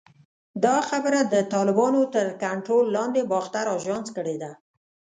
دا خبره د طالبانو تر کنټرول لاندې باختر اژانس کړې ده